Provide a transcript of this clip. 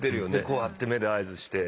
こうやって目で合図して。